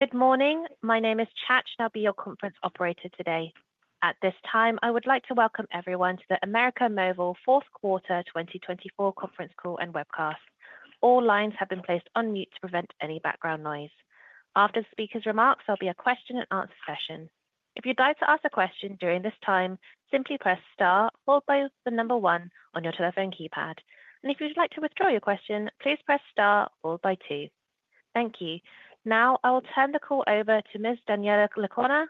Good morning. My name is Chad, and I'll be your conference operator today. At this time, I would like to welcome everyone to the América Móvil Fourth Quarter 2024 Conference Call and Webcast. All lines have been placed on mute to prevent any background noise. After the speaker's remarks, there'll be a question-and-answer session. If you'd like to ask a question during this time, simply press Star or hold the number one on your telephone keypad, and if you'd like to withdraw your question, please press Star or hold by two. Thank you. Now, I will turn the call over to Ms. Daniela Lecuona,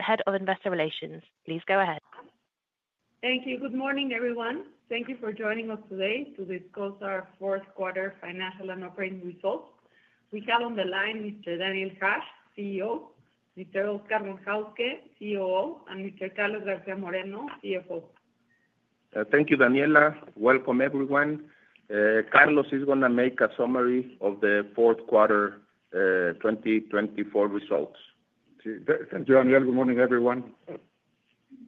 Head of Investor Relations. Please go ahead. Thank you. Good morning, everyone. Thank you for joining us today to discuss our Fourth Quarter Financial and Operating Results. We have on the line Mr. Daniel Hajj, CEO, Mr. Oscar Von Hauske, COO, and Mr. Carlos García Moreno, CFO. Thank you, Daniela. Welcome, everyone. Carlos is going to make a summary of the Fourth Quarter 2024 results. Thank you, Daniel. Good morning, everyone.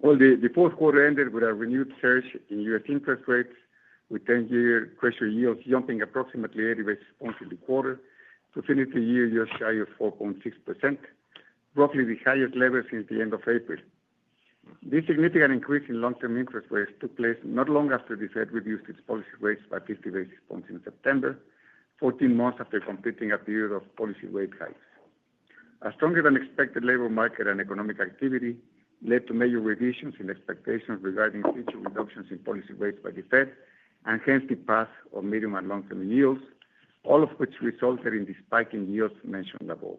The Fourth Quarter ended with a renewed surge in U.S. interest rates, with 10-year Treasury yields jumping approximately 80 basis points in the quarter. To finish the year, U.S. shy of 4.6%, roughly the highest level since the end of April. This significant increase in long-term interest rates took place not long after the Fed reduced its policy rates by 50 basis points in September, 14 months after completing a period of policy rate hikes. A stronger-than-expected labor market and economic activity led to major revisions in expectations regarding future reductions in policy rates by the Fed, and hence the path of medium and long-term yields, all of which resulted in the spike in yields mentioned above.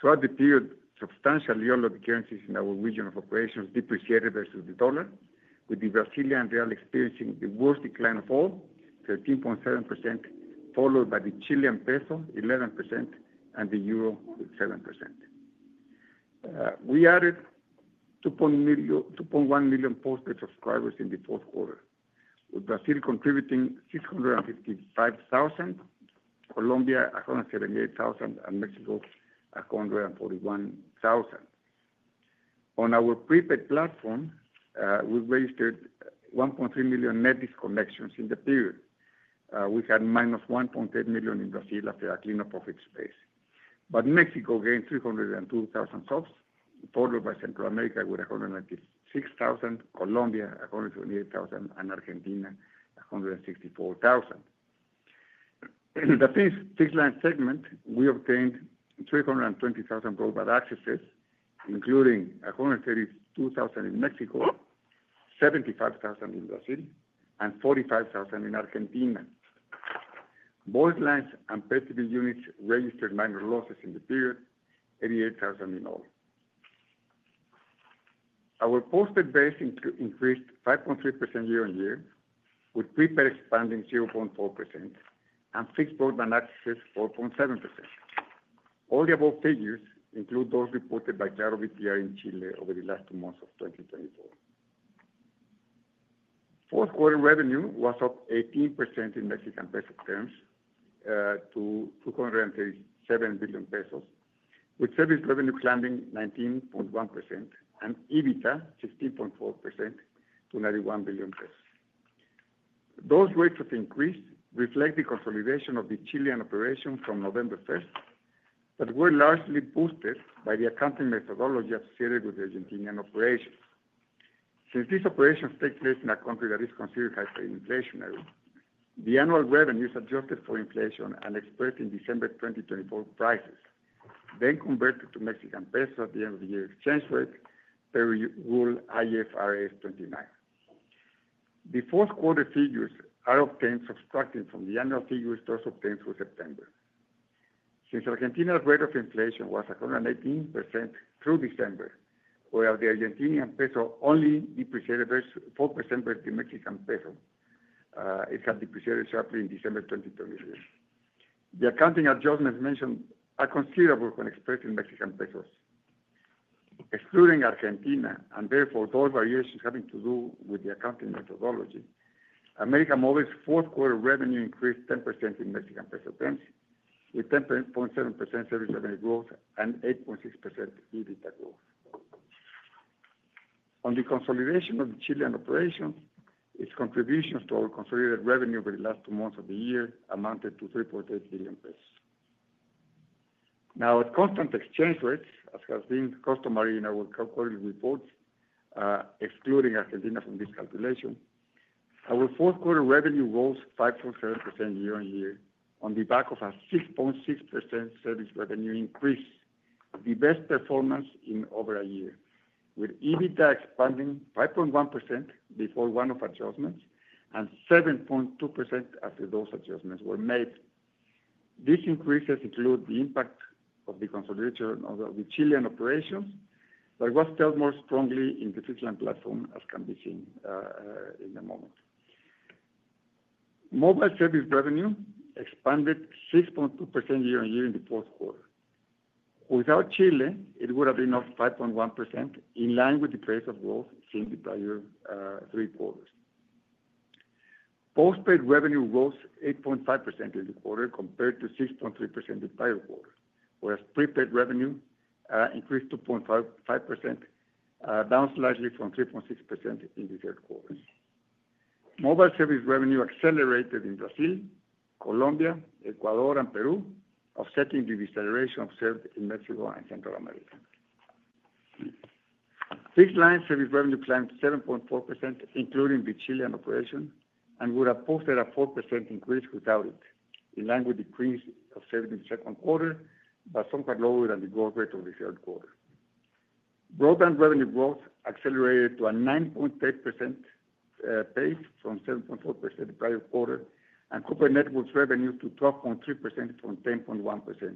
Throughout the period, several major currencies in our region of operations depreciated versus the dollar, with the Brazilian real experiencing the worst decline of all, 13.7%, followed by the Chilean peso, 11%, and the euro, with 7%. We added 2.1 million postpaid subscribers in the fourth quarter, with Brazil contributing 655,000, Colombia 178,000, and Mexico 141,000. On our prepaid platform, we registered 1.3 million net disconnections in the period. We had minus 1.8 million in Brazil after a cleanup of its base, but Mexico gained 302,000 subs, followed by Central America with 196,000, Colombia 128,000, and Argentina 164,000. In the fixed-line segment, we obtained 320,000 broadband accesses, including 132,000 in Mexico, 75,000 in Brazil, and 45,000 in Argentina. Both lines and Pay-TV units registered minor losses in the period, 88,000 in all. Our postpaid base increased 5.3% year-on-year, with prepaid expanding 0.4%, and fixed broadband accesses 4.7%. All the above figures include those reported by ClaroVTR in Chile over the last two months of 2024. Fourth quarter revenue was up 18% in Mexican peso terms to 237 billion pesos, with service revenue climbing 19.1% and EBITDA 16.4% to 91 billion pesos. Those rates of increase reflect the consolidation of the Chilean operations from November 1st, but were largely boosted by the accounting methodology associated with the Argentinian operations. Since these operations take place in a country that is considered high inflationary, the annual revenues adjusted for inflation and expressed in December 2024 prices, then converted to Mexican pesos at the end of the year exchange rate per rule IAS 29. The fourth quarter figures are obtained subtracting from the annual figures those obtained through September. Since Argentina's rate of inflation was 118% through December, whereas the Argentine peso only depreciated 4% versus the Mexican peso, it had depreciated sharply in December 2023. The accounting adjustments mentioned are considerable when expressed in Mexican pesos. Excluding Argentina, and therefore those variations having to do with the accounting methodology, América Móvil's fourth quarter revenue increased 10% in Mexican peso terms, with 10.7% service revenue growth and 8.6% EBITDA growth. On the consolidation of the Chilean operations, its contributions to our consolidated revenue over the last two months of the year amounted to 3.8 billion pesos. Now, at constant exchange rates, as has been customary in our quarterly reports, excluding Argentina from this calculation, our fourth quarter revenue rose 5.7% year-on-year on the back of a 6.6% service revenue increase, the best performance in over a year, with EBITDA expanding 5.1% before one-off adjustments and 7.2% after those adjustments were made. These increases include the impact of the consolidation of the Chilean operations, but was felt more strongly in the fixed-line platform, as can be seen at the moment. Mobile service revenue expanded 6.2% year-on-year in the fourth quarter. Without Chile, it would have been up 5.1%, in line with the pace of growth seen in the prior three quarters. Postpaid revenue rose 8.5% in the quarter compared to 6.3% the prior quarter, whereas prepaid revenue increased 2.5%, down slightly from 3.6% in the third quarter. Mobile service revenue accelerated in Brazil, Colombia, Ecuador, and Peru, offsetting the deceleration observed in Mexico and Central America. Fixed-line service revenue climbed 7.4%, including the Chilean operation, and would have posted a 4% increase without it, in line with decreases observed in the second quarter, but somewhat lower than the growth rate of the third quarter. Broadband revenue growth accelerated to a 9.8% pace from 7.4% the prior quarter, and corporate networks revenue to 12.3% from 10.1%,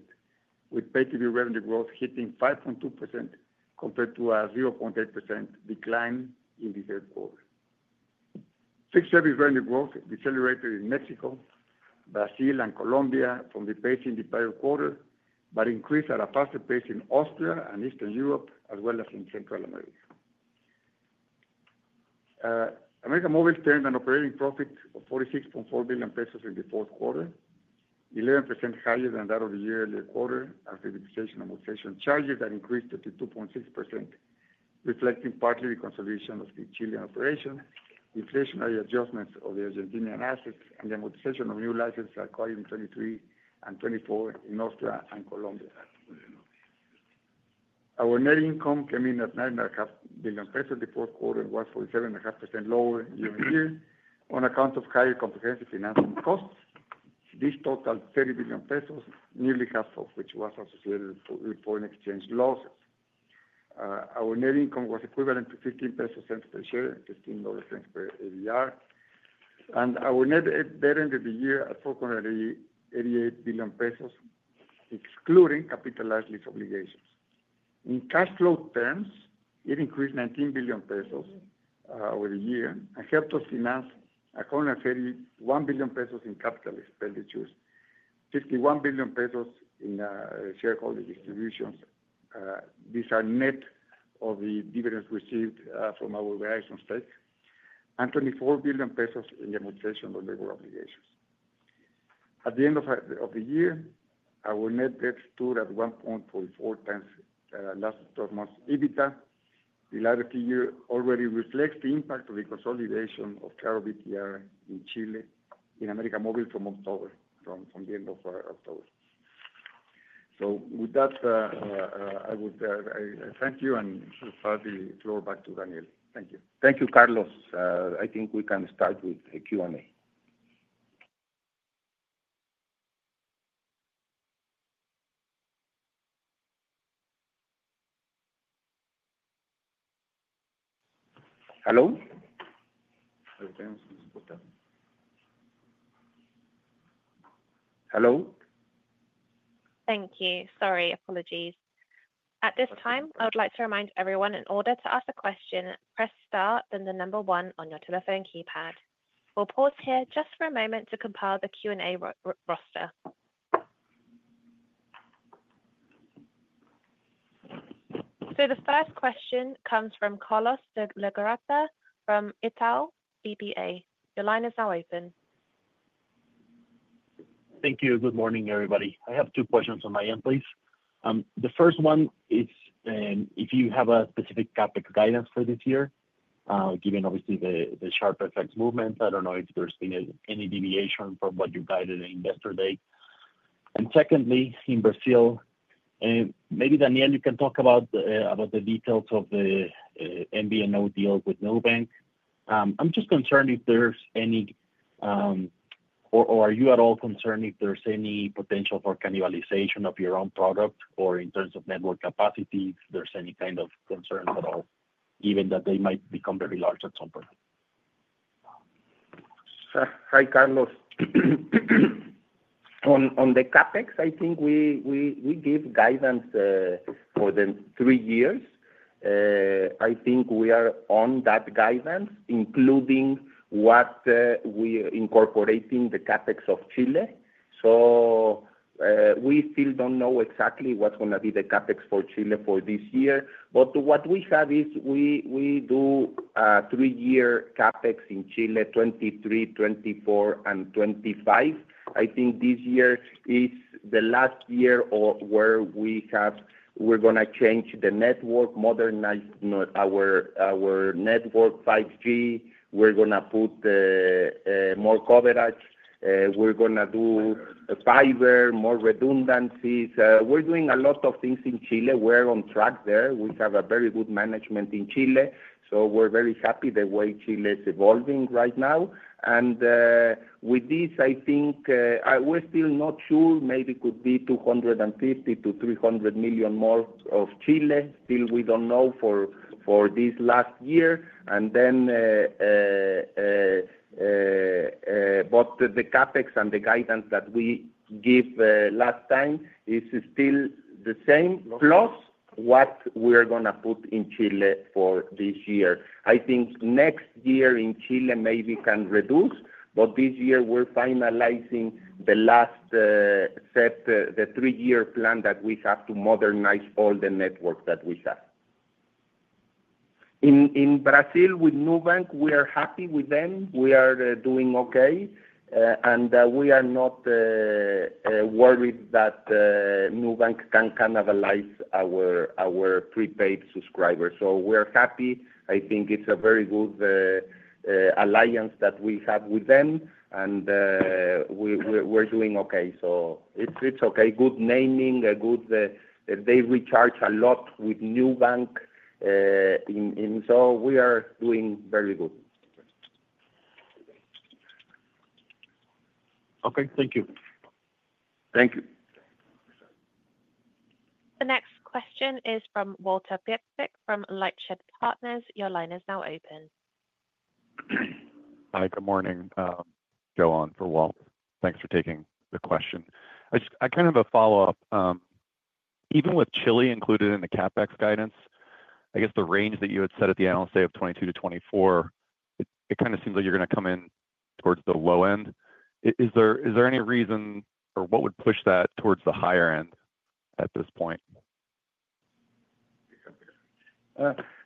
with pay-TV revenue growth hitting 5.2% compared to a 0.8% decline in the third quarter. Fixed service revenue growth decelerated in Mexico, Brazil, and Colombia from the pace in the prior quarter, but increased at a faster pace in Austria and Eastern Europe, as well as in Central America. América Móvil turned an operating profit of 46.4 billion pesos in the fourth quarter, 11% higher than that of the year-on-year quarter, after depreciation and amortization charges that increased to 2.6%, reflecting partly the consolidation of the Chilean operation, inflationary adjustments of the Argentinian assets, and the amortization of new licenses acquired in 2023 and 2024 in Austria and Colombia. Our net income came in at 9.5 billion pesos. The fourth quarter was 47.5% lower year-on-year on account of higher comprehensive financing costs. This totaled 30 billion pesos, nearly half of which was associated with foreign exchange losses. Our net income was equivalent to MXN 0.15 per share, $0.15 per ADR, and our net debt ended the year at 488 billion pesos, excluding capitalized lease obligations. In cash flow terms, it increased 19 billion pesos over the year and helped us finance 131 billion pesos in capital expenditures, 51 billion pesos in shareholder distributions. These are net of the dividends received from our Verizon stake and 24 billion pesos in the amortization of labor obligations. At the end of the year, our net debt stood at 1.44 times last 12 months EBITDA. The latter figure already reflects the impact of the consolidation of ClaroVTR in Chile in América Móvil from the end of October. So with that, I would thank you and pass the floor back to Daniel. Thank you. Thank you, Carlos. I think we can start with the Q&A. Hello? Hello? Thank you. Sorry, apologies. At this time, I would like to remind everyone in order to ask a question, press Star, then the number one on your telephone keypad. We'll pause here just for a moment to compile the Q&A roster. So the first question comes from Carlos Lecuona Torras from Itaú BBA. Your line is now open. Thank you. Good morning, everybody. I have two questions on my end, please. The first one is if you have a specific CapEx guidance for this year, given, obviously, the sharp FX movement. I don't know if there's been any deviation from what you guided in yesterday. And secondly, in Brazil, maybe, Daniel, you can talk about the details of the MVNO deal with Nubank. I'm just concerned if there's any, or are you at all concerned if there's any potential for cannibalization of your own product or in terms of network capacity, if there's any kind of concerns at all, given that they might become very large at some point? Hi, Carlos. On the CapEx, I think we give guidance for the three years. I think we are on that guidance, including what we're incorporating the CapEx of Chile. So we still don't know exactly what's going to be the CapEx for Chile for this year. But what we have is we do a three-year CapEx in Chile, 2023, 2024, and 2025. I think this year is the last year where we're going to change the network, modernize our network 5G. We're going to put more coverage. We're going to do fiber, more redundancies. We're doing a lot of things in Chile. We're on track there. We have a very good management in Chile. So we're very happy the way Chile is evolving right now. And with this, I think we're still not sure. Maybe it could be $250 million-$300 million more of Chile. Still, we don't know for this last year. Then both the CapEx and the guidance that we gave last time is still the same, plus what we're going to put in Chile for this year. I think next year in Chile maybe can reduce, but this year we're finalizing the last set, the three-year plan that we have to modernize all the network that we have. In Brazil, with Nubank, we are happy with them. We are doing okay, and we are not worried that Nubank can cannibalize our prepaid subscribers, so we're happy. I think it's a very good alliance that we have with them, and we're doing okay, so it's okay. Good naming, good. They recharge a lot with Nubank, so we are doing very good. Okay. Thank you. Thank you. The next question is from Walter Piecyk from LightShed Partners. Your line is now open. Hi. Good morning. I'm Joe for Walt. Thanks for taking the question. I kind of have a follow-up. Even with Chile included in the CapEx guidance, I guess the range that you had set at the Analyst Day of 2022 to 2024, it kind of seems like you're going to come in towards the low end. Is there any reason, or what would push that towards the higher end at this point?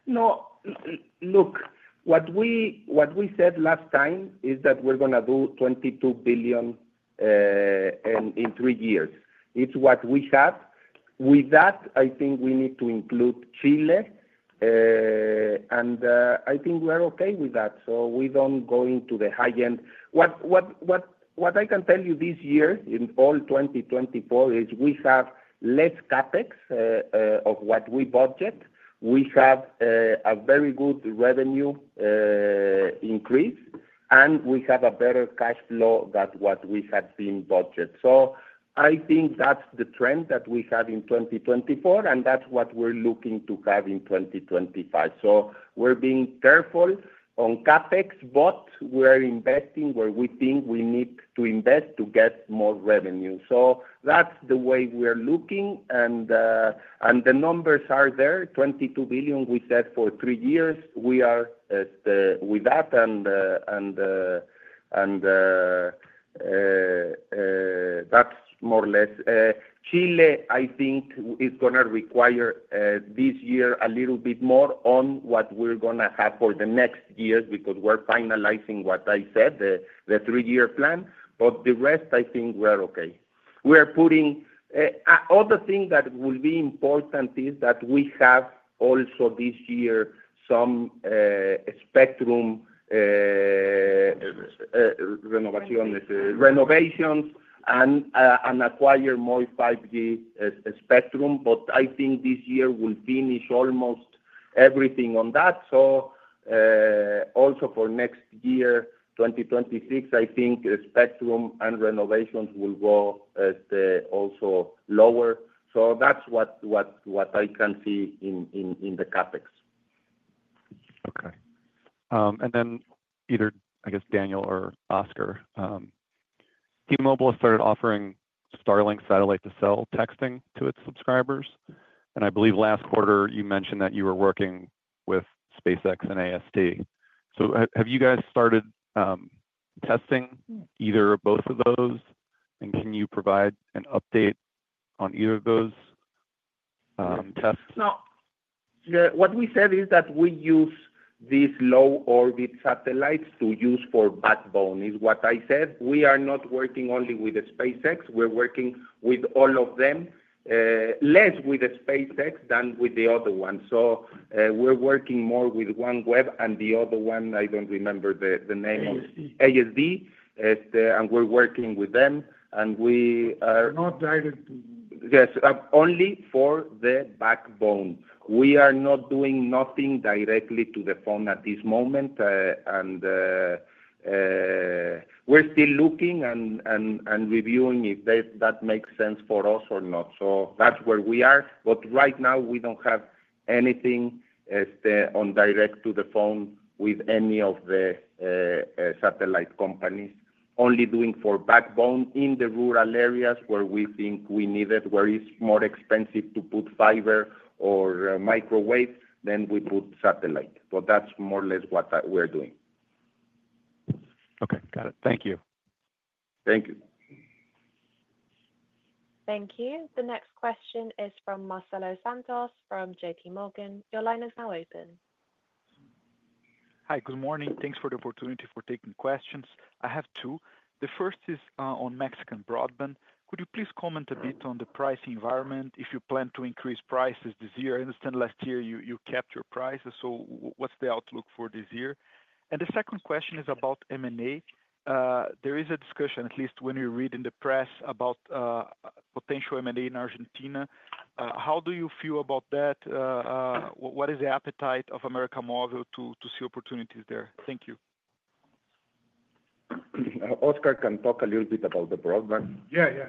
No. Look, what we said last time is that we're going to do $22 billion in three years. It's what we have. With that, I think we need to include Chile, and I think we're okay with that. So we don't go into the high end. What I can tell you this year, in all 2024, is we have less CapEx than what we budgeted. We have a very good revenue increase, and we have a better cash flow than what we had budgeted. So I think that's the trend that we have in 2024, and that's what we're looking to have in 2025. So we're being careful on CapEx, but we're investing where we think we need to invest to get more revenue. So that's the way we're looking, and the numbers are there. $22 billion we set for three years. We are with that, and that's more or less. Chile, I think, is going to require this year a little bit more on what we're going to have for the next years because we're finalizing what I said, the three-year plan. But the rest, I think we're okay. We are putting all the things that will be important is that we have also this year some spectrum renovations and acquire more 5G spectrum. But I think this year will finish almost everything on that. So also for next year, 2026, I think spectrum and renovations will go also lower. So that's what I can see in the CapEx. Okay. And then either, I guess, Daniel or Oscar, T-Mobile has started offering Starlink satellite-to-cell texting to its subscribers. And I believe last quarter you mentioned that you were working with SpaceX and AST. So have you guys started testing either or both of those? And can you provide an update on either of those tests? No. What we said is that we use these low-orbit satellites to use for backbone is what I said. We are not working only with SpaceX. We're working with all of them, less with SpaceX than with the other one. So we're working more with OneWeb and the other one. I don't remember the name of. ASD. AST. And we're working with them. And we are. They're not directly. Yes, only for the backbone. We are not doing nothing directly to the phone at this moment. And we're still looking and reviewing if that makes sense for us or not. So that's where we are. But right now, we don't have anything on direct to the phone with any of the satellite companies. Only doing for backbone in the rural areas where we think we need it, where it's more expensive to put fiber or microwave, then we put satellite. But that's more or less what we're doing. Okay. Got it. Thank you. Thank you. Thank you. The next question is from Marcelo Santos from J.P. Morgan. Your line is now open. Hi. Good morning. Thanks for the opportunity for taking questions. I have two. The first is on Mexican broadband. Could you please comment a bit on the pricing environment if you plan to increase prices this year? I understand last year you kept your prices. So what's the outlook for this year? And the second question is about M&A. There is a discussion, at least when you read in the press, about potential M&A in Argentina. How do you feel about that? What is the appetite of América Móvil to see opportunities there? Thank you. Oscar can talk a little bit about the broadband. Yeah, yeah.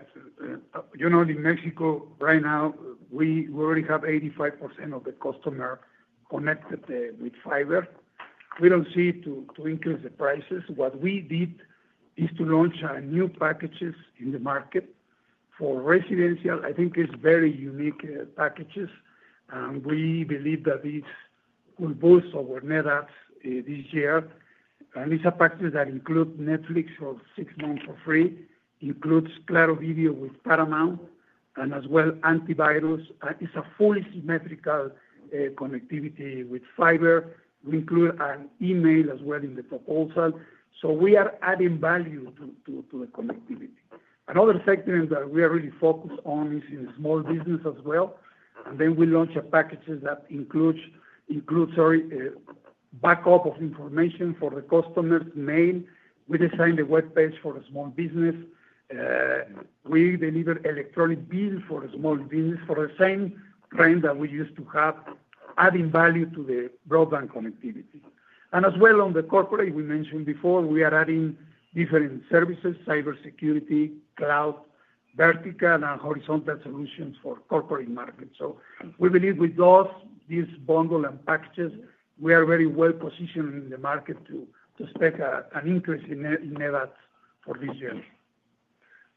In Mexico right now, we already have 85% of the customers connected with fiber. We don't see it to increase the prices. What we did is to launch new packages in the market for residential. I think it's very unique packages. And we believe that this will boost our net adds this year. And it's a package that includes Netflix for six months for free, includes Claro Video with Paramount, and as well antivirus. It's a fully symmetrical connectivity with fiber. We include an email as well in the proposal. So we are adding value to the connectivity. Another segment that we are really focused on is in small business as well. And then we launch a package that includes backup of information for the customer's mail. We designed a webpage for a small business. We deliver electronic bills for small business for the same trend that we used to have, adding value to the broadband connectivity and as well on the corporate, we mentioned before, we are adding different services, cybersecurity, cloud, vertical, and horizontal solutions for corporate markets, so we believe with those, these bundles and packages, we are very well positioned in the market to expect an increase in net adds for this year.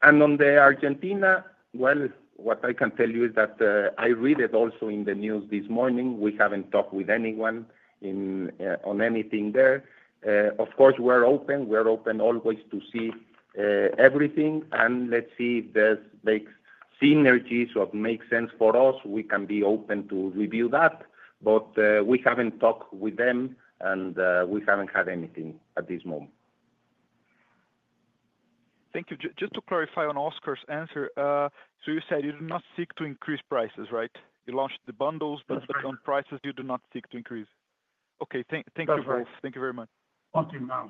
On the Argentina, well, what I can tell you is that I read it also in the news this morning. We haven't talked with anyone on anything there. Of course, we're open. We're open always to see everything. Let's see if there's synergies that make sense for us. We can be open to review that. We haven't talked with them, and we haven't had anything at this moment. Thank you. Just to clarify on Oscar's answer, so you said you do not seek to increase prices, right? You launched the bundles, but on prices, you do not seek to increase. Okay. Thank you very much. Thank you very much. Until now.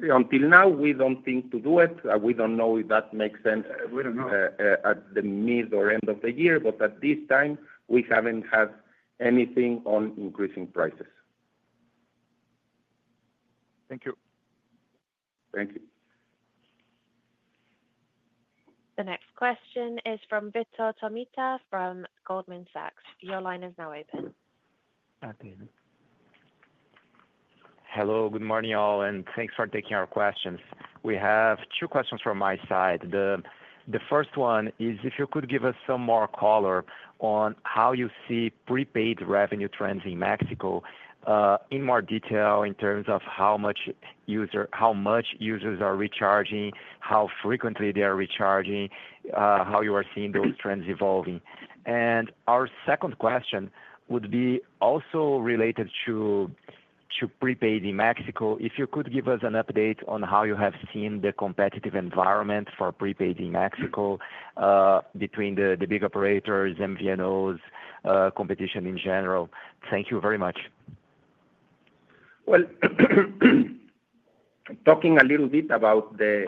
Until now, we don't think to do it. We don't know if that makes sense at the mid or end of the year, but at this time, we haven't had anything on increasing prices. Thank you. Thank you. The next question is from Victor Tomita from Goldman Sachs. Your line is now open. Hello. Good morning, all. And thanks for taking our questions. We have two questions from my side. The first one is if you could give us some more color on how you see prepaid revenue trends in Mexico in more detail in terms of how much users are recharging, how frequently they are recharging, how you are seeing those trends evolving, and our second question would be also related to prepaid in Mexico. If you could give us an update on how you have seen the competitive environment for prepaid in Mexico between the big operators, MVNOs, competition in general. Thank you very much. Well, talking a little bit about the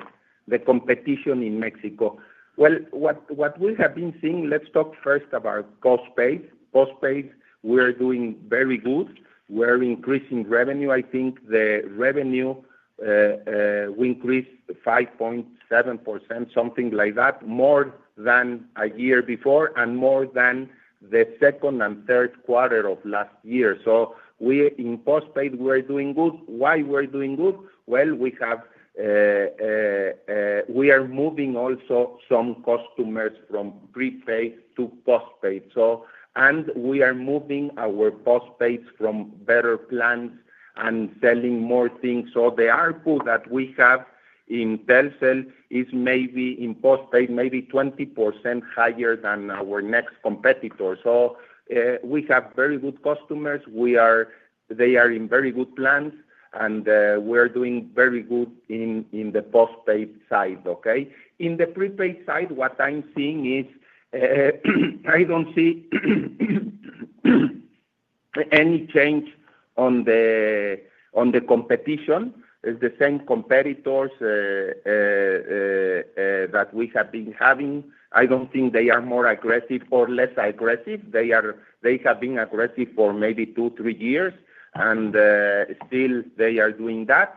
competition in Mexico, well, what we have been seeing, let's talk first about cost base. Cost base, we are doing very good. We're increasing revenue. I think the revenue we increased 5.7%, something like that, more than a year before and more than the second and third quarter of last year. So in postpaid, we're doing good. Why we're doing good? Well, we are moving also some customers from prepaid to postpaid. And we are moving our postpaid from better plans and selling more things. So the output that we have in Telcel is maybe in postpaid, maybe 20% higher than our next competitor. So we have very good customers. They are in very good plans, and we're doing very good in the postpaid side, okay? In the prepaid side, what I'm seeing is I don't see any change on the competition. It's the same competitors that we have been having. I don't think they are more aggressive or less aggressive. They have been aggressive for maybe two, three years, and still they are doing that.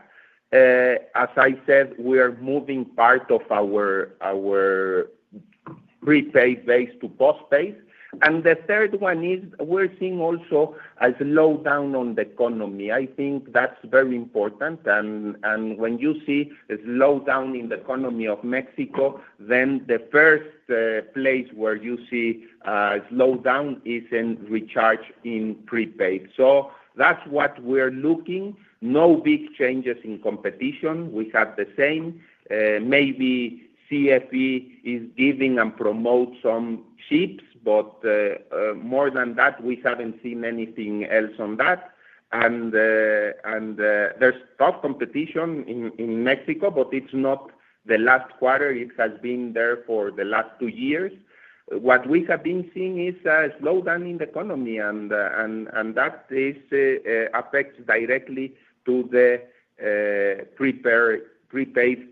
As I said, we are moving part of our prepaid base to postpaid, and the third one is we're seeing also a slowdown on the economy. I think that's very important. And when you see a slowdown in the economy of Mexico, then the first place where you see a slowdown is in recharge in prepaid, so that's what we're looking. No big changes in competition. We have the same. Maybe CFE is giving and promotes some chips, but more than that, we haven't seen anything else on that, and there's tough competition in Mexico, but it's not the last quarter. It has been there for the last two years. What we have been seeing is a slowdown in the economy, and that affects directly to the prepaid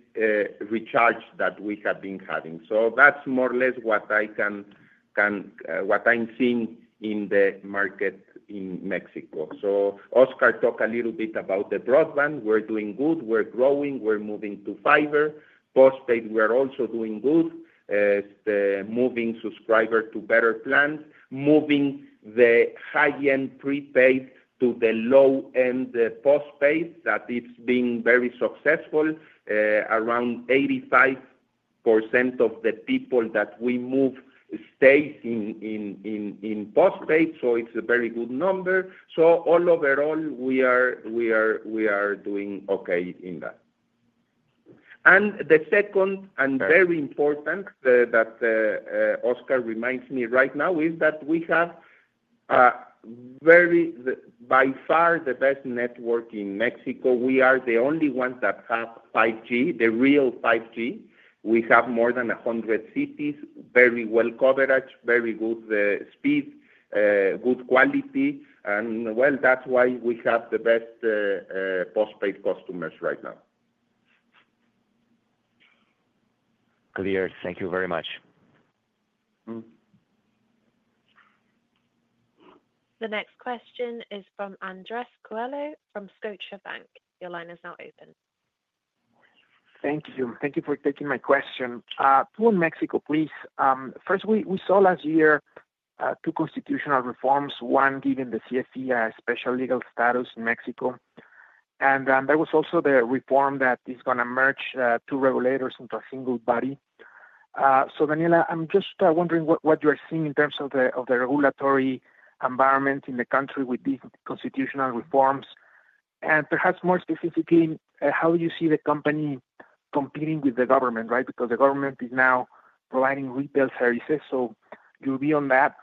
recharge that we have been having. So that's more or less what I'm seeing in the market in Mexico. So Oscar talked a little bit about the broadband. We're doing good. We're growing. We're moving to fiber. Postpaid, we're also doing good, moving subscribers to better plans, moving the high-end prepaid to the low-end postpaid. That is being very successful. Around 85% of the people that we move stays in postpaid, so it's a very good number. So all overall, we are doing okay in that. And the second and very important that Oscar reminds me right now is that we have by far the best network in Mexico. We are the only ones that have 5G, the real 5G. We have more than 100 cities, very well coverage, very good speed, good quality, and well, that's why we have the best postpaid customers right now. Clear. Thank you very much. The next question is from Andres Coello from Scotiabank. Your line is now open. Thank you. Thank you for taking my question. Two in Mexico, please. First, we saw last year two constitutional reforms, one giving the CFE a special legal status in Mexico. And there was also the reform that is going to merge two regulators into a single body. So Daniel, I'm just wondering what you are seeing in terms of the regulatory environment in the country with these constitutional reforms. And perhaps more specifically, how do you see the company competing with the government, right? Because the government is now providing retail services, so you'll be on that.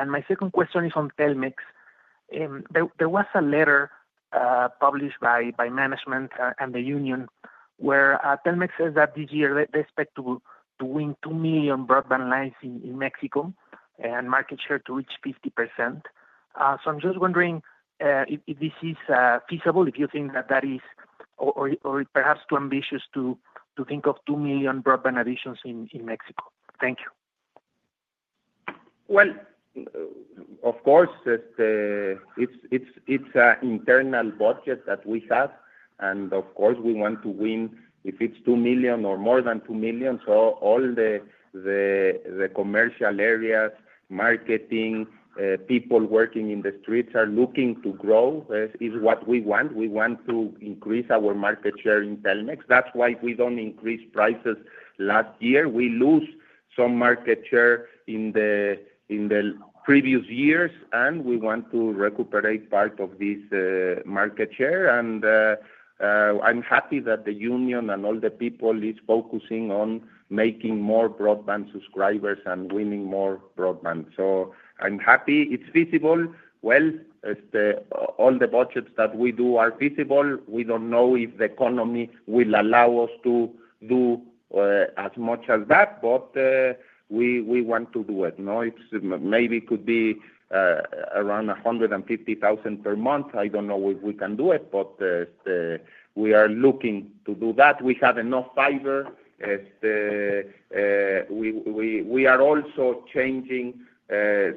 And my second question is on Telmex. There was a letter published by management and the union where Telmex says that this year they expect to win two million broadband lines in Mexico and market share to reach 50%. So I'm just wondering if this is feasible, if you think that that is, or perhaps too ambitious to think of 2 million broadband additions in Mexico? Thank you. Well, of course, it's an internal budget that we have. And of course, we want to win if it's two million or more than two million. So all the commercial areas, marketing, people working in the streets are looking to grow. It's what we want. We want to increase our market share in Telmex. That's why we don't increase prices last year. We lose some market share in the previous years, and we want to recuperate part of this market share. And I'm happy that the union and all the people are focusing on making more broadband subscribers and winning more broadband. So I'm happy. It's feasible. Well, all the budgets that we do are feasible. We don't know if the economy will allow us to do as much as that, but we want to do it. Maybe it could be around 150,000 per month. I don't know if we can do it, but we are looking to do that. We have enough fiber. We are also changing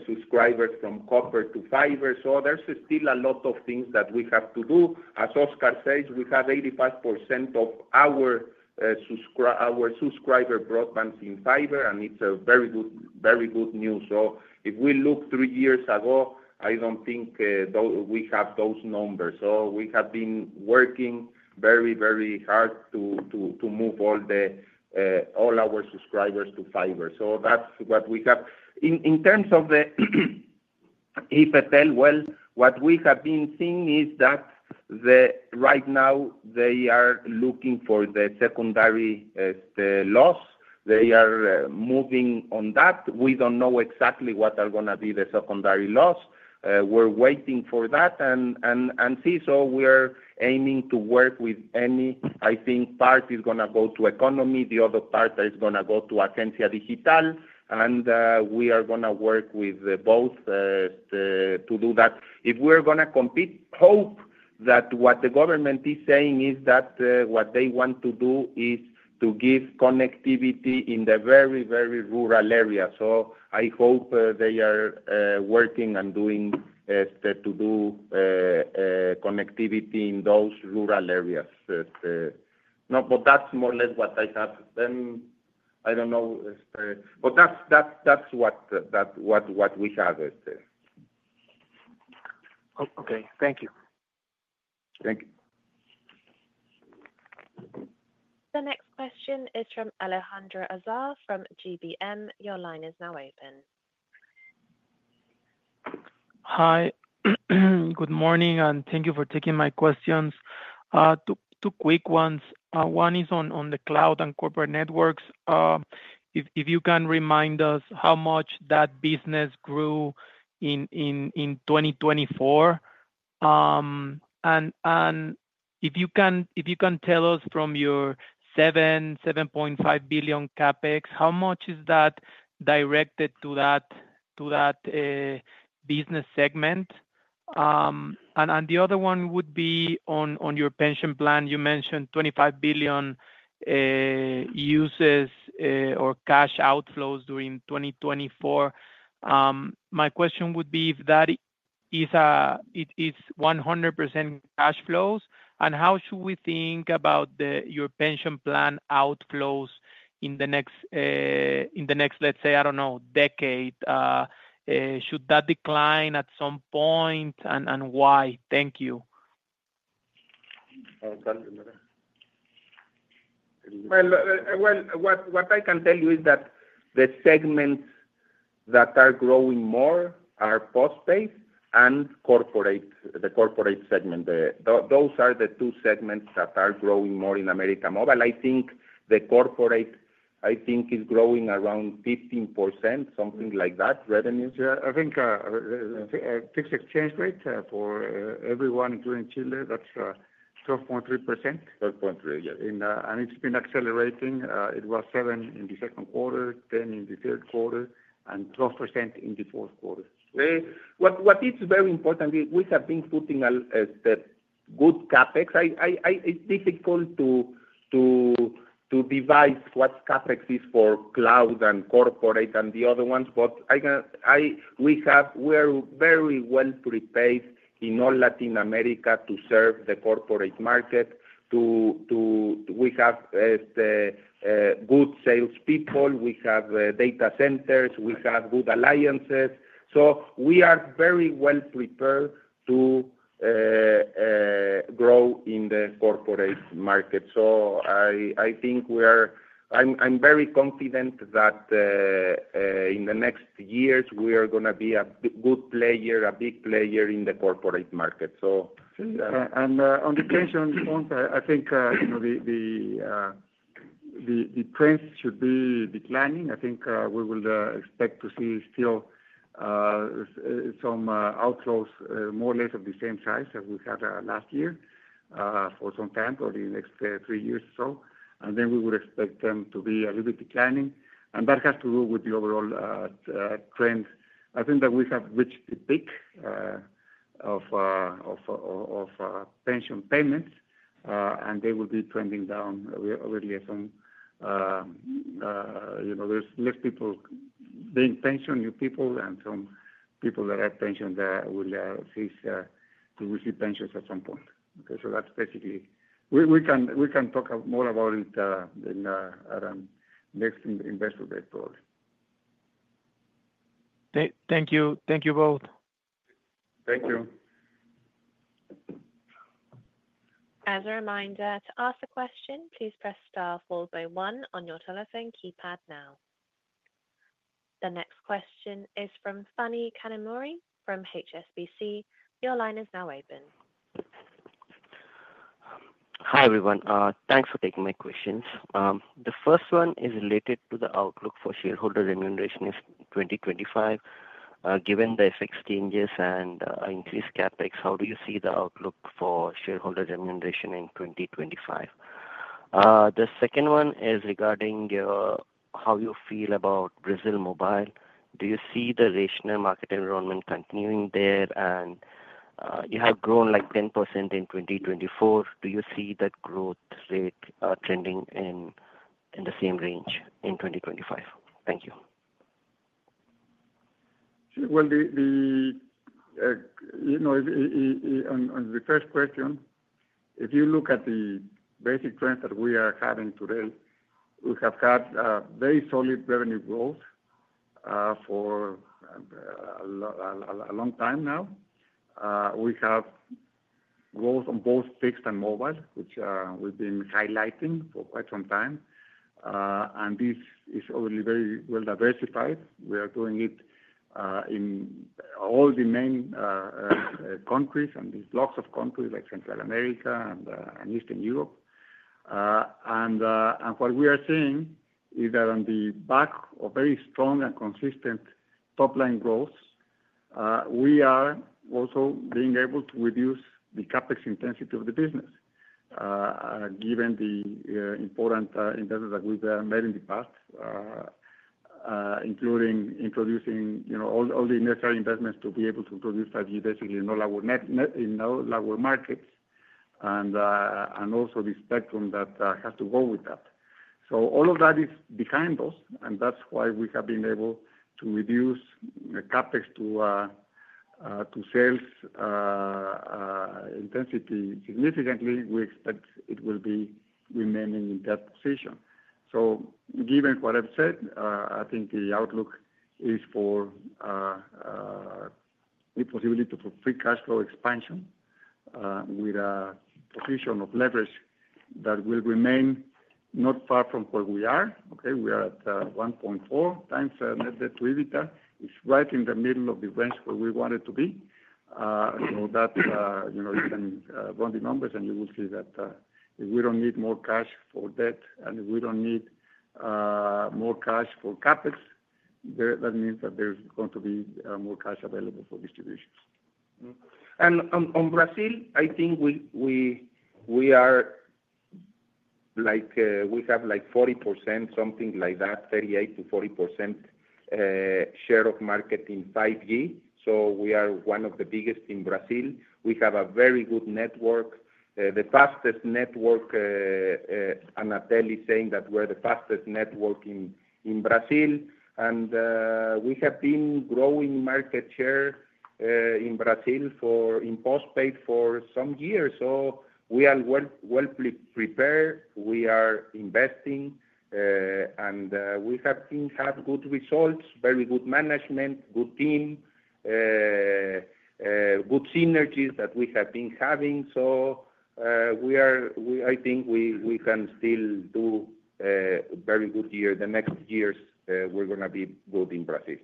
subscribers from copper to fiber. So there's still a lot of things that we have to do. As Oscar says, we have 85% of our broadband subscribers in fiber, and it's very good news. So if we look three years ago, I don't think we have those numbers. So we have been working very, very hard to move all our subscribers to fiber. So that's what we have. In terms of the IFT, well, what we have been seeing is that right now they are looking for the secondary laws. They are moving on that. We don't know exactly what are going to be the secondary laws. We're waiting for that. And see, so we're aiming to work with any, I think. Part is going to go to economy. The other part is going to go to Agencia Digital. And we are going to work with both to do that. If we're going to compete, hope that what the government is saying is that what they want to do is to give connectivity in the very, very rural areas. So I hope they are working and doing to do connectivity in those rural areas. But that's more or less what I have. Then I don't know. But that's what we have there. Okay. Thank you. Thank you. The next question is from Alejandro Azar from GBM. Your line is now open. Hi. Good morning, and thank you for taking my questions. Two quick ones. One is on the cloud and corporate networks. If you can remind us how much that business grew in 2024? And if you can tell us from your $7.5 billion CapEx, how much is that directed to that business segment? And the other one would be on your pension plan. You mentioned $25 billion USD cash outflows during 2024. My question would be if that is 100% cash flows, and how should we think about your pension plan outflows in the next, let's say, I don't know, decade? Should that decline at some point, and why? Thank you. What I can tell you is that the segments that are growing more are postpaid and the corporate segment. Those are the two segments that are growing more in América Móvil. I think the corporate, I think, is growing around 15%, something like that, revenues. Yeah. I think fixed exchange rate for everyone, including Chile, that's 12.3%. 12.3, yes. It's been accelerating. It was 7 in the second quarter, 10 in the third quarter, and 12% in the fourth quarter. What is very important, we have been putting the good CapEx. It's difficult to divide what CapEx is for cloud and corporate and the other ones, but we are very well prepared in all Latin America to serve the corporate market. We have good salespeople. We have data centers. We have good alliances. So we are very well prepared to grow in the corporate market. So I think I'm very confident that in the next years, we are going to be a good player, a big player in the corporate market. On the pension front, I think the trends should be declining. I think we will expect to see still some outflows more or less of the same size as we had last year for some time or the next three years or so. Then we would expect them to be a little bit declining. That has to do with the overall trend. I think that we have reached the peak of pension payments, and they will be trending down over the next there's less people being pensioned, new people, and some people that are pensioned will cease to receive pensions at some point. Okay. That's basically we can talk more about it in our next investor day. Thank you. Thank you both. Thank you. As a reminder, to ask a question, please press star followed by one on your telephone keypad now. The next question is from Fanny Emanuelli from HSBC. Your line is now open. Hi everyone. Thanks for taking my questions. The first one is related to the outlook for shareholder remuneration in 2025. Given the FX changes and increased CapEx, how do you see the outlook for shareholder remuneration in 2025? The second one is regarding how you feel about Brazil Mobile. Do you see the rational market environment continuing there? You have grown like 10% in 2024. Do you see that growth rate trending in the same range in 2025? Thank you. On the first question, if you look at the basic trends that we are having today, we have had very solid revenue growth for a long time now. We have growth on both fixed and mobile, which we've been highlighting for quite some time. This is already very well diversified. We are doing it in all the main countries, and there's lots of countries like Central America and Eastern Europe. What we are seeing is that on the back of very strong and consistent top-line growth, we are also being able to reduce the CapEx intensity of the business, given the important investments that we've made in the past, including introducing all the necessary investments to be able to provide 5G, basically, you know in all our markets, and also the spectrum that has to go with that. All of that is behind us, and that's why we have been able to reduce CapEx-to-sales intensity significantly. We expect it will be remaining in that position. Given what I've said, I think the outlook is for the possibility of a free cash flow expansion with a position of leverage that will remain not far from where we are. Okay. We are at 1.4 times net debt to EBITDA. It's right in the middle of the range where we want it to be. So that you can run the numbers, and you will see that if we don't need more cash for debt and if we don't need more cash for CapEx, that means that there's going to be more cash available for distributions. On Brazil, I think we have like 40%, something like that, 38%-40% share of market in 5G. We are one of the biggest in Brazil. We have a very good network, the fastest network. Anatel is saying that we're the fastest network in Brazil. We have been growing market share in Brazil in postpaid for some years. We are well prepared. We are investing, and we have had good results, very good management, good team, good synergies that we have been having. I think we can still do a very good year. The next years, we're going to be good in Brazil.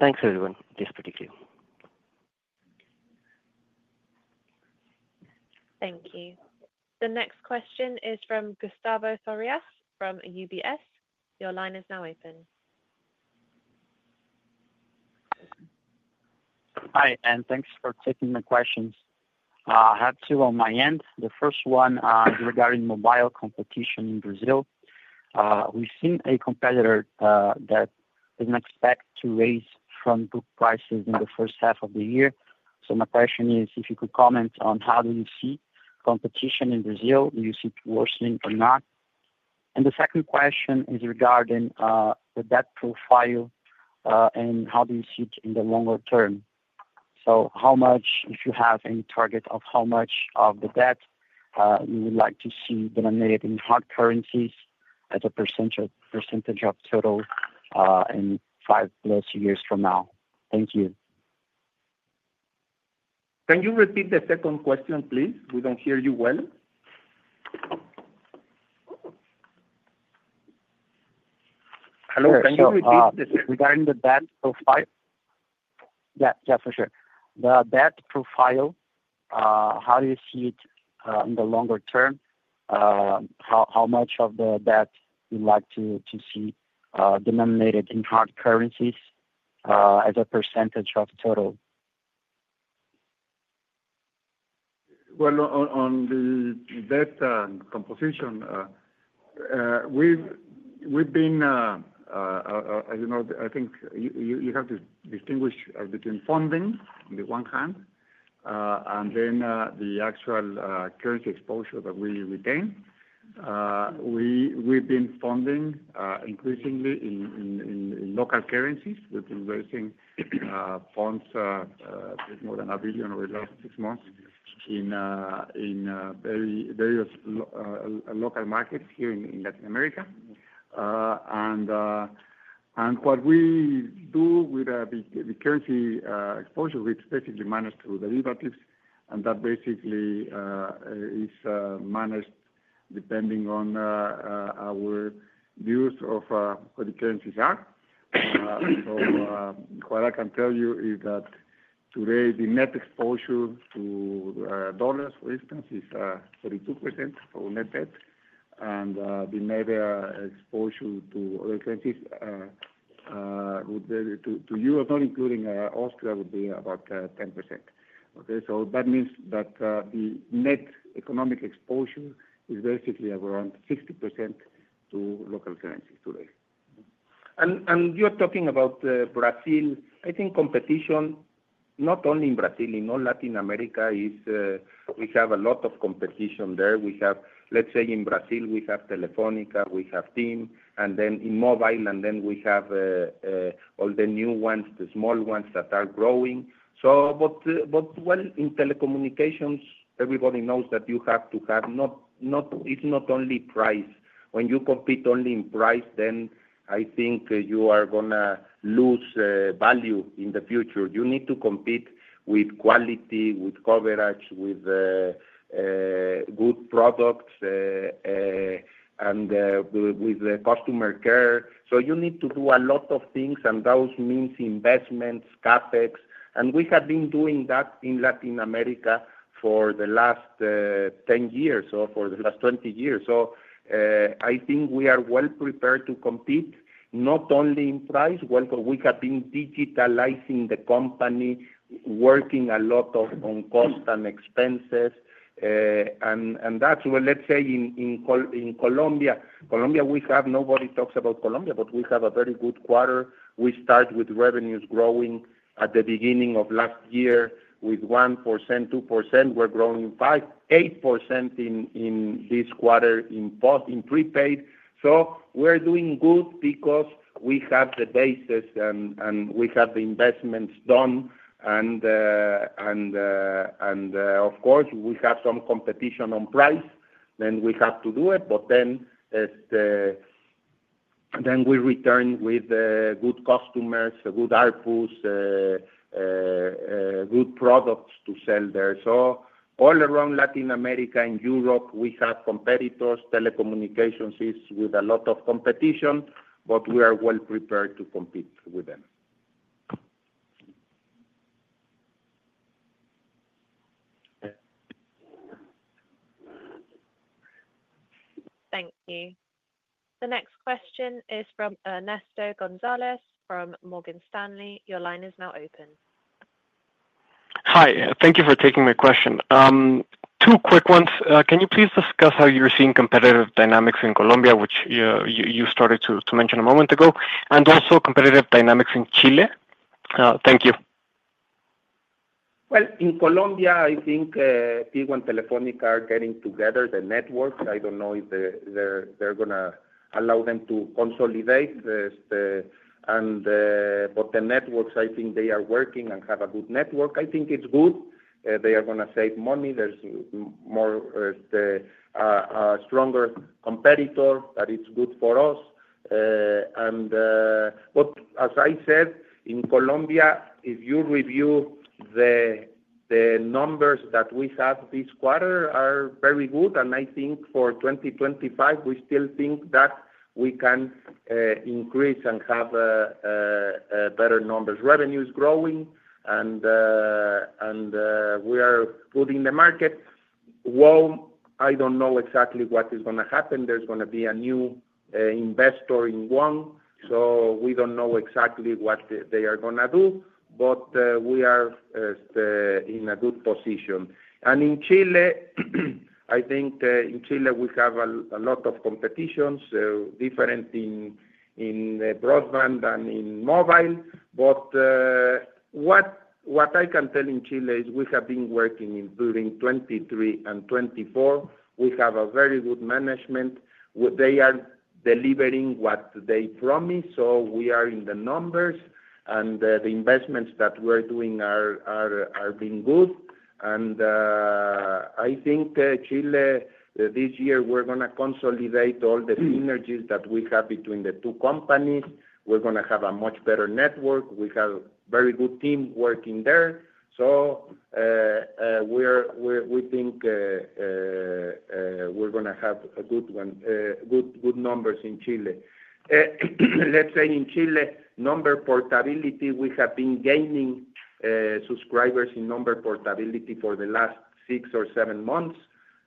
Yeah. Thanks everyone. Just briefly. Thank you. The next question is from Gustavo Piras Oliveira from UBS. Your line is now open. Hi, and thanks for taking my questions. I have two on my end. The first one is regarding mobile competition in Brazil. We've seen a competitor that doesn't expect to raise front-book prices in the first half of the year. So my question is, if you could comment on how do you see competition in Brazil? Do you see it worsening or not? And the second question is regarding the debt profile and how do you see it in the longer term? So how much, if you have any target of how much of the debt you would like to see denominated in hard currencies as a percentage of total in five plus years from now? Thank you. Can you repeat the second question, please? We don't hear you well. Hello. Can you repeat the second? Regarding the debt profile? Yeah. Yeah, for sure. The debt profile, how do you see it in the longer term? How much of the debt you'd like to see denominated in hard currencies as a percentage of total? On the debt composition, we've been, as you know, I think you have to distinguish between funding on the one hand and then the actual currency exposure that we retain. We've been funding increasingly in local currencies, which is raising funds more than a billion over the last six months in various local markets here in Latin America. And what we do with the currency exposure, it's basically managed through derivatives, and that basically is managed depending on our use of what the currencies are. So what I can tell you is that today, the net exposure to dollars, for instance, is 32% for net debt. And the net exposure to other currencies to Europe, not including Austria, would be about 10%. Okay. So that means that the net economic exposure is basically around 60% to local currencies today. And you're talking about Brazil. I think competition, not only in Brazil, in all Latin America, we have a lot of competition there. Let's say in Brazil, we have Telefónica, we have TIM, and then in mobile, and then we have all the new ones, the small ones that are growing. But in telecommunications, everybody knows that you have to have. It's not only price. When you compete only in price, then I think you are going to lose value in the future. You need to compete with quality, with coverage, with good products, and with customer care. So you need to do a lot of things, and those means investments, CapEx. And we have been doing that in Latin America for the last 10 years or for the last 20 years. So I think we are well prepared to compete not only in price. We have been digitalizing the company, working a lot on cost and expenses. And that's, let's say, in Colombia. Colombia, nobody talks about Colombia, but we have a very good quarter. We start with revenues growing at the beginning of last year with 1%, 2%. We're growing 8% in this quarter in prepaid. So we're doing good because we have the basis and we have the investments done. And of course, we have some competition on price, then we have to do it. But then we return with good customers, good outputs, good products to sell there. So all around Latin America and Europe, we have competitors. Telecommunications is with a lot of competition, but we are well prepared to compete with them. Thank you. The next question is from Ernesto González from Morgan Stanley. Your line is now open. Hi. Thank you for taking my question. Two quick ones. Can you please discuss how you're seeing competitive dynamics in Colombia, which you started to mention a moment ago, and also competitive dynamics in Chile? Thank you. In Colombia, I think Tigo and Telefónica are getting together, the networks. I don't know if they're going to allow them to consolidate, but the networks, I think they are working and have a good network. I think it's good. They are going to save money. There's a stronger competitor that it's good for us, but as I said, in Colombia, if you review the numbers that we have this quarter, they are very good, and I think for 2025, we still think that we can increase and have better numbers. Revenue is growing, and we are good in the market. I don't know exactly what is going to happen. There's going to be a new investor in WOM, so we don't know exactly what they are going to do, but we are in a good position. In Chile, I think in Chile we have a lot of competitions, different in broadband than in mobile. But what I can tell in Chile is we have been working during 2023 and 2024. We have a very good management. They are delivering what they promised, so we are in the numbers, and the investments that we're doing are being good. I think Chile this year we're going to consolidate all the synergies that we have between the two companies. We're going to have a much better network. We have a very good team working there. So we think we're going to have good numbers in Chile. Let's say in Chile, number portability. We have been gaining subscribers in number portability for the last six or seven months.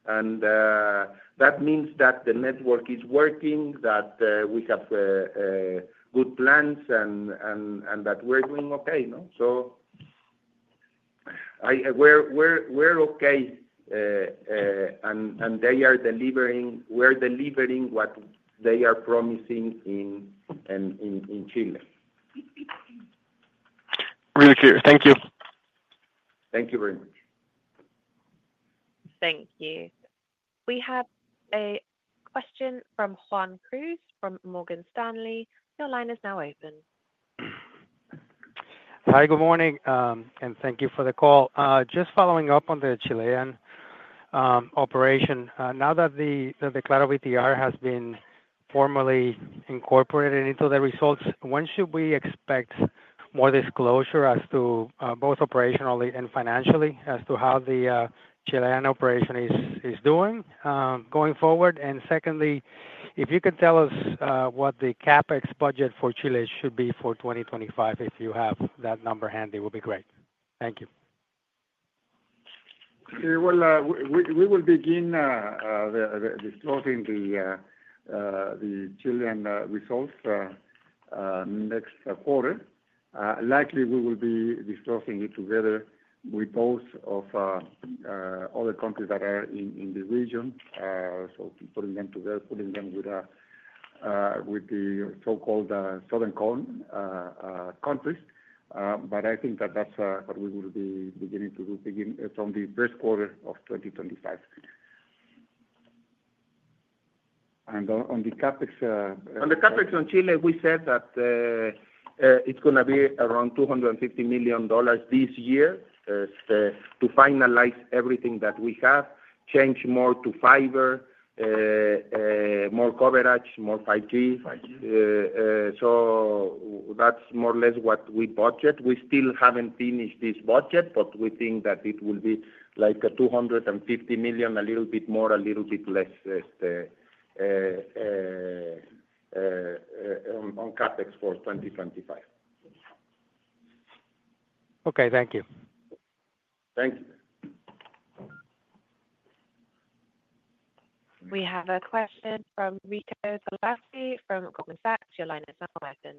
And that means that the network is working, that we have good plans, and that we're doing okay. So we're okay, and they are delivering. We're delivering what they are promising in Chile. Really clear. Thank you. Thank you very much. Thank you. We have a question from Juan Cruz from Morgan Stanley. Your line is now open. Hi, good morning, and thank you for the call. Just following up on the Chilean operation, now that the ClaroVTR has been formally incorporated into the results, when should we expect more disclosure as to both operationally and financially as to how the Chilean operation is doing going forward? And secondly, if you could tell us what the CapEx budget for Chile should be for 2025, if you have that number handy, it would be great. Thank you. We will begin disclosing the Chilean results next quarter. Likely, we will be disclosing it together with those of other countries that are in the region, so putting them together, putting them with the so-called Southern Cone countries. But I think that that's what we will be beginning to do from the first quarter of 2025. On the CapEx. On the CapEx on Chile, we said that it's going to be around $250 million this year to finalize everything that we have, change more to fiber, more coverage, more 5G. That's more or less what we budget. We still haven't finished this budget, but we think that it will be like $250 million, a little bit more, a little bit less on CapEx for 2025. Okay. Thank you. Thank you. We have a question from Vito Tomita from Goldman Sachs. Your line is now open.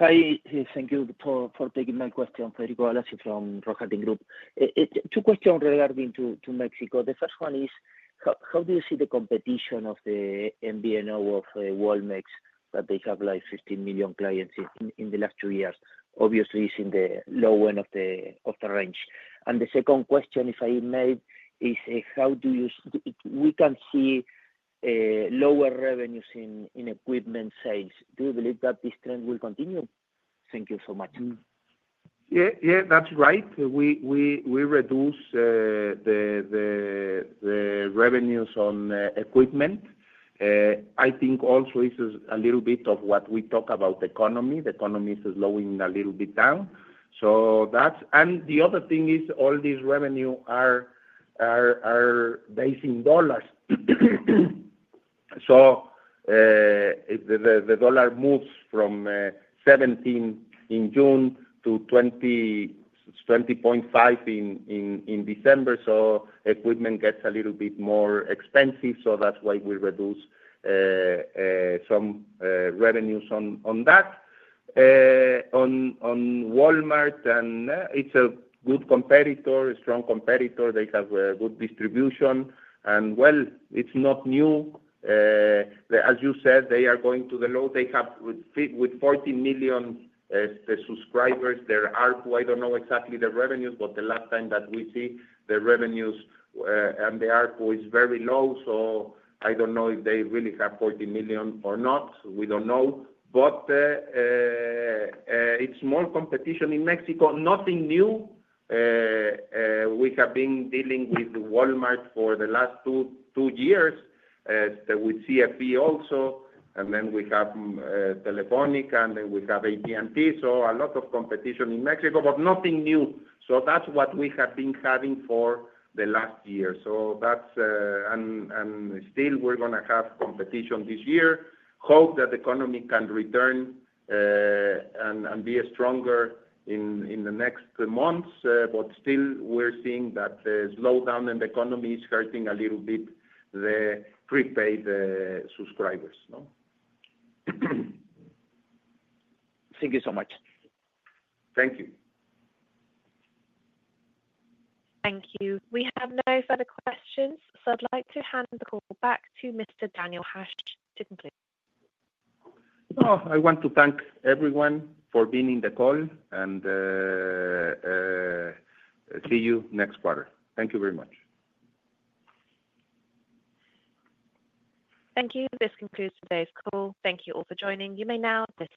Hi. Thank you for taking my question. Federico Galassi from The Rohatyn Group. Two questions regarding Mexico. The first one is, how do you see the competition of the MVNO of Walmart de México y Centroamérica that they have like 15 million clients in the last two years? Obviously, it's in the low end of the range. And the second question, if I may, is how do you we can see lower revenues in equipment sales. Do you believe that this trend will continue? Thank you so much. Yeah, that's right. We reduce the revenues on equipment. I think also it's a little bit of what we talk about, the economy. The economy is slowing a little bit down. And the other thing is all these revenues are based in dollars. So the dollar moves from 17 in June to 20.5 in December. So equipment gets a little bit more expensive. So that's why we reduce some revenues on that. On Walmart, it's a good competitor, a strong competitor. They have good distribution. And well, it's not new. As you said, they are going to the low. They have with 40 million subscribers. They're ARPU. I don't know exactly the revenues, but the last time that we see the revenues and the ARPU is very low. So I don't know if they really have 40 million or not. We don't know. But it's more competition in Mexico. Nothing new. We have been dealing with Walmart for the last two years with CFE also. And then we have Telefónica, and then we have AT&T. So a lot of competition in Mexico, but nothing new. So that's what we have been having for the last year. And still, we're going to have competition this year. Hope that the economy can return and be stronger in the next months. But still, we're seeing that the slowdown in the economy is hurting a little bit the prepaid subscribers. Thank you so much. Thank you. Thank you. We have no further questions. So I'd like to hand the call back to Mr. Daniel Hajj to conclude. I want to thank everyone for being in the call, and see you next quarter. Thank you very much. Thank you. This concludes today's call. Thank you all for joining. You may now disconnect.